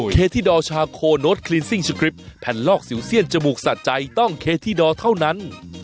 คลิปแผ่นลอกสิวเสี้ยนจมูกสะใจต้องเคธิดอเท่านั้น